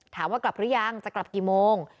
ถามว่ากลับหรือยังจะกลับกี่โมง